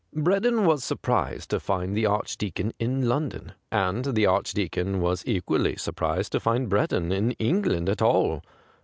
Breddon was surprised to find the Archdeacon in London, and the Archdeacon was equally surprised to find Breddon in England at all.